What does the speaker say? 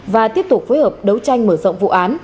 và tiếp tục phối hợp đấu tranh mở rộng vụ án